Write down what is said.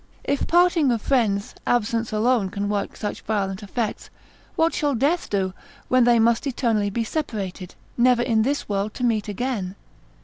If parting of friends, absence alone can work such violent effects, what shall death do, when they must eternally be separated, never in this world to meet again?